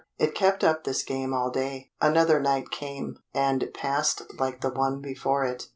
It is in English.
It kept up this game all day. Another night came, and passed like the one before it.